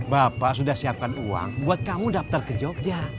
bapak sudah siapkan uang buat kamu daftar ke jogja